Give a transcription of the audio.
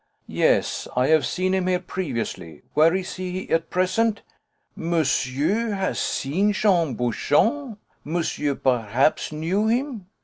"Yes, I have seen him here previously. Where is he at present?" "Monsieur has seen Jean Bouchon? Monsieur perhaps knew him.